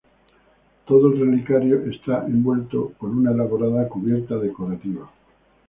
Todo el relicario está envuelto con una elaborada cubierta decorativa.